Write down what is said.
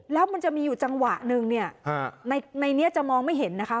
แล้วมันจะมีอยู่จังหวะนึงเนี่ยในนี้จะมองไม่เห็นนะคะ